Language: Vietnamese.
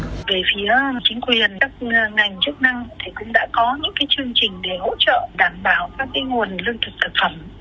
thì về phía chính quyền các ngành chức năng thì cũng đã có những cái chương trình để hỗ trợ đảm bảo các cái nguồn lương thực thực phẩm